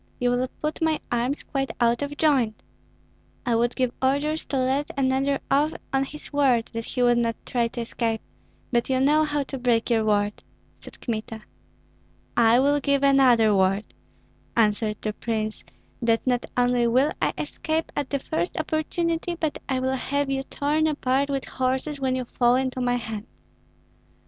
You will put my arms quite out of joint." "I would give orders to let another off on his word that he would not try to escape, but you know how to break your word," said Kmita. "I will give another word," answered the prince, "that not only will I escape at the first opportunity, but I will have you torn apart with horses, when you fall into my hands."